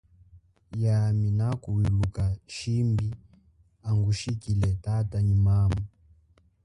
Yami nakwiuluka shimbi angushikile tata nyi mama.